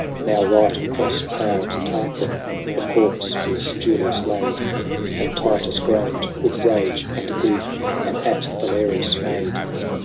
Now right across proud Tarquin A corpse was Julius laid ; And Titus groaned with rage and grief. And at Valerius made.